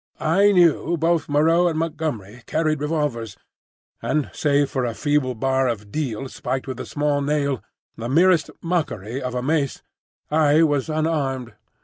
I knew both Moreau and Montgomery carried revolvers; and, save for a feeble bar of deal spiked with a small nail, the merest mockery of a mace, I was unarmed.